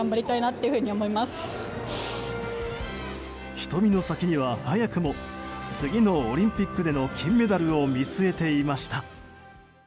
瞳の先には早くも次のオリンピックでの金メダルを見据えていました。